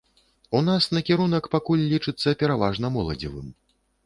У нас накірунак пакуль лічыцца пераважна моладзевым.